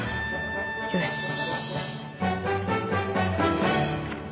よし。